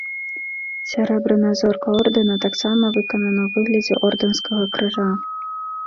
Сярэбраная зорка ордэна таксама выканана ў выглядзе ордэнскага крыжа.